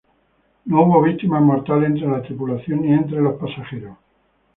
No hubo víctimas mortales entre la tripulación ni entre los pasajeros.